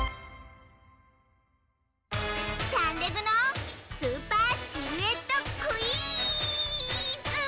チャンレグの「スーパーシルエットクイズ」！